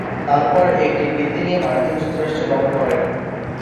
তারপর একটি বৃত্তি নিয়ে মার্কিন যুক্তরাষ্ট্রে গমন করেন।